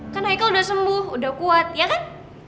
kan ikel udah sembuh udah kuat ya kan